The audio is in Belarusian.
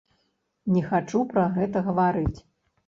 Не хачу пра гэта гаварыць.